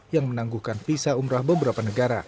yang menangguhkan visa umroh beberapa negara